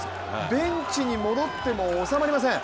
ベンチに戻っても収まりません。